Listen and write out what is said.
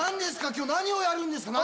今日何をやるんですか？